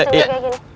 ust udah udah udah